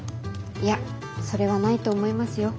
いやそれはないと思いますよ。